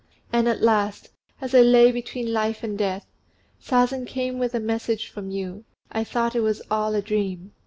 And when at last, as I lay between life and death, Sazen came with a message from you, I thought it was all a dream."